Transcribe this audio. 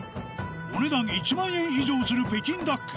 お値段１万円以上する北京ダック。